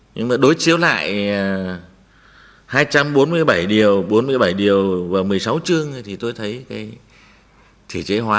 nhưng mà đối chiếu lại hai trăm bốn mươi bảy điều bốn mươi bảy điều và một mươi sáu chương thì tôi thấy cái thể chế hóa